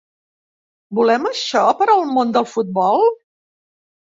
Volem això per al món del futbol?